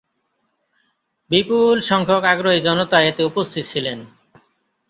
বিপুলসংখ্যক আগ্রহী জনতা এতে উপস্থিত ছিলেন।